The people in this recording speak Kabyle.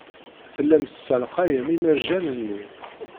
Tellam tessalqayem imerjan-nni.